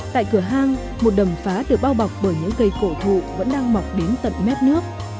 tại cửa hàng một đầm phá được bao bọc bởi những cây cổ thụ vẫn đang mọc đến tận mép nước